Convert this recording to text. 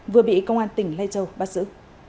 vừa bị công an tỉnh lai châu bắt giữ